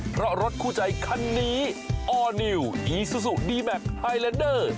เพราะรถคู่ใจคันนี้ออร์นิวอีซูซูดีแมคไฮแลนเดอร์